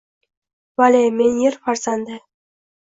Vale men yer farzandi –